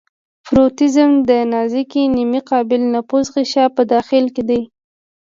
پروتوپلازم د نازکې نیمه قابل نفوذ غشا په داخل کې دی.